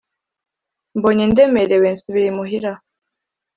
mbonye ndemerewe nsubira imuhira,